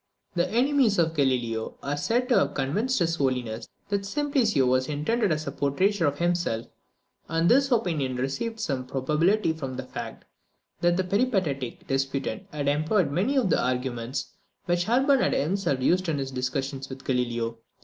The enemies of Galileo are said to have convinced his Holiness that Simplicio was intended as a portraiture of himself; and this opinion received some probability from the fact, that the peripatetic disputant had employed many of the arguments which Urban had himself used in his discussions with Galileo.